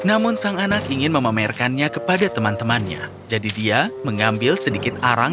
namun sang anak ingin memamerkannya kepada teman temannya jadi dia mengambil sedikit arang